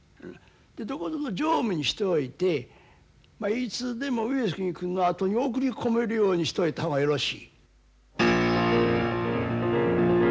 でどこぞの常務にしておいていつでも上杉君のあとに送り込めるようにしといた方がよろし。